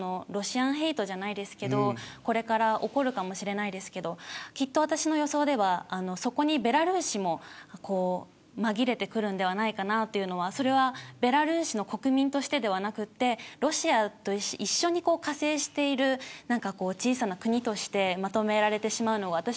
ロシアンヘイトじゃないですけどこれから起こるかもしれないですけど、私の予想ではそこにベラルーシもまぎれてくるんではないかなというのはそれはベラルーシの国民としてではなくてロシアと一緒に加勢している小さな国としてまとめられてしまうのは